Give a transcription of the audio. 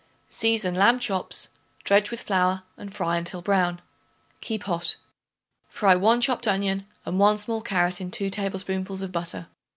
Season lamb chops; dredge with flour and fry until brown; keep hot. Fry 1 chopped onion and 1 small carrot in two tablespoonfuls of butter.